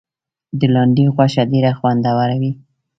د لاندي غوښه ډیره خوندوره وي.